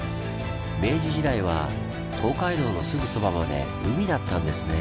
明治時代は東海道のすぐそばまで海だったんですね。